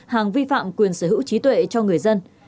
hàng vi phạm quyền sở hữu trí tuệ cho người dân